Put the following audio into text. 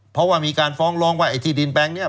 เพราะว่ามีการฟ้องร้องว่าไอ้ที่ดินแปลงนี้